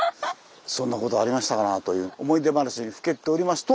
そんなことありましたかなという思い出話にふけっておりますと。